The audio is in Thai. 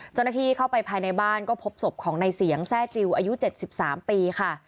จนกระที่เข้าไปภายในบ้านก็พบศพของนายเสียงแซ่จิวอายุ๗๓ปีค่ะ